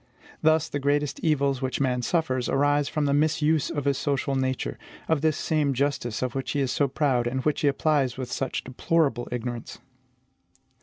Thus, the greatest evils which man suffers arise from the misuse of his social nature, of this same justice of which he is so proud, and which he applies with such deplorable ignorance.